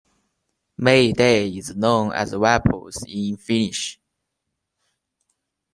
May Day is known as Vappu in Finnish.